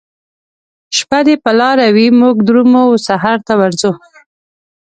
شپه دي په لاره وي موږ درومو وسحرته ورځو